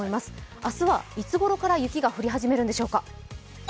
明日はいつごろから雪が降り始めるんでしょうか？